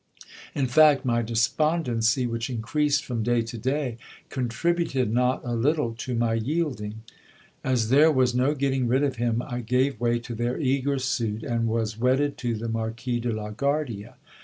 In fact, my despondency, which increased from day to day, contributed not a little to my yielding. As there was no getting rid of him, I gave way to their eager suit, and was wedded to the Marquis de la Guardia.